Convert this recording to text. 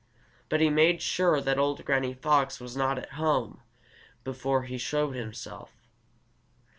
But he made sure that old Granny Fox was not at home before he showed himself.